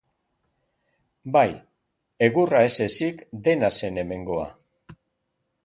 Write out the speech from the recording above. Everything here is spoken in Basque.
Bai, egurra ez ezik dena zen hemengoa.